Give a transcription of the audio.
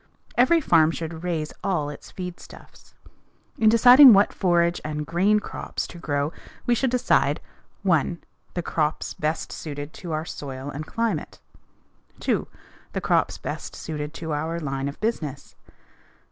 Every farm should raise all its feed stuffs. In deciding what forage and grain crops to grow we should decide: 1. The crops best suited to our soil and climate. 2. The crops best suited to our line of business.